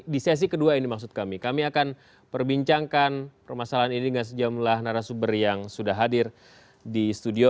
di sesi kedua ini maksud kami kami akan perbincangkan permasalahan ini dengan sejumlah narasumber yang sudah hadir di studio